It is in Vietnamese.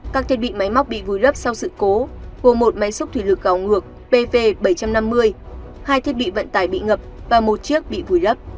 các thiết bị máy móc bị vùi lấp sau sự cố gồm một máy xúc thủy lực cào ngược pv bảy trăm năm mươi hai thiết bị vận tải bị ngập và một chiếc bị vùi lấp